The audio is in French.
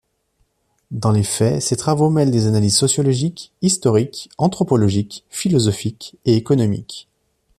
Dans les faits, ses travaux mêlent des analyses sociologiques, historiques, anthropologiques, philosophiques et économiques.